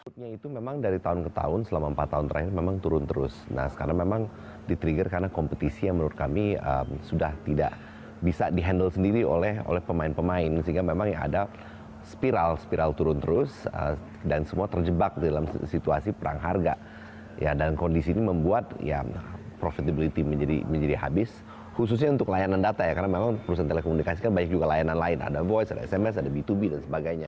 pemakaian data operator seluler ini menurun empat tahun terakhir karena adanya persaingan dan promosi tarif operator seluler yang jorjoran